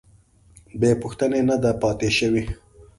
بې پوښتنې نه ده پاتې شوې.